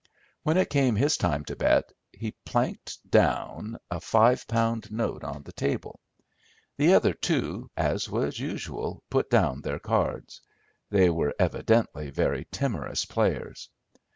When it came his time to bet, he planked down a five pound note on the table. The other two, as was usual, put down their cards. They were evidently very timorous players.